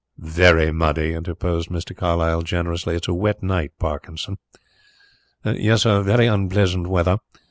"Very muddy," interposed Mr. Carlyle generously. "It is a wet night, Parkinson." "Yes, sir; very unpleasant weather.